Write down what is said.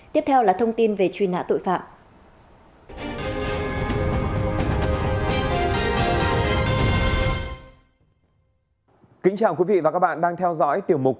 tiếp theo là thông tin về truy nã tội phạm